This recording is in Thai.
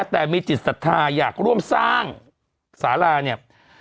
แต่มีจิตศรัทธาอยากร่วมสร้างสาราเนี่ย